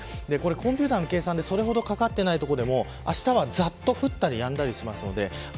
コンピューターの計算でそれほど、かかっていない所でもあしたはざっと降ったりやんだりします。